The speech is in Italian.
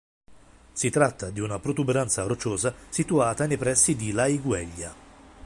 Si tratta di una protuberanza rocciosa situata nei pressi di Laigueglia.